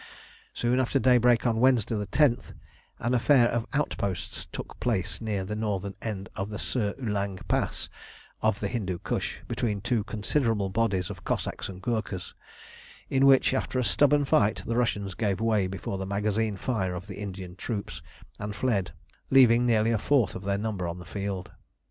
Soon after daybreak on Wednesday, the 10th, an affair of outposts took place near the northern end of the Sir Ulang Pass of the Hindu Kush, between two considerable bodies of Cossacks and Ghoorkhas, in which, after a stubborn fight, the Russians gave way before the magazine fire of the Indian troops, and fled, leaving nearly a fourth of their number on the field.